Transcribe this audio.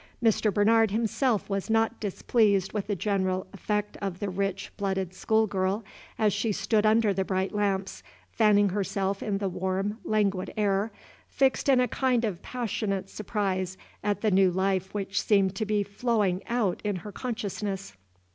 Mr. Bernard himself was not displeased with the general effect of the rich blooded schoolgirl, as she stood under the bright lamps, fanning herself in the warm, languid air, fixed in a kind of passionate surprise at the new life which seemed to be flowering out in her consciousness.